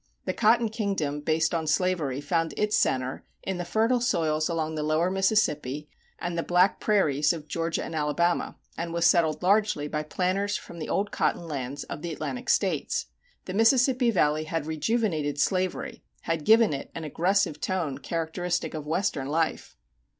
The Cotton Kingdom based on slavery found its center in the fertile soils along the Lower Mississippi and the black prairies of Georgia and Alabama, and was settled largely by planters from the old cotton lands of the Atlantic States. The Mississippi Valley had rejuvenated slavery, had given it an aggressive tone characteristic of Western life.